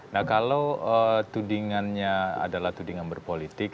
nah kalau tudingannya adalah tudingan berpolitik